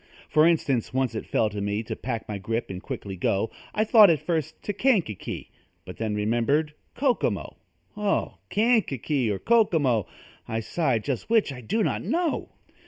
For instance, once it fell to me To pack my grip and quickly go I thought at first to Kankakee But then remembered Kokomo. "Oh, Kankakee or Kokomo," I sighed, "just which I do not know."